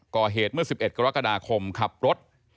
ก่อเหตุเมื่อ๑๑กรกฎาคมขับรถ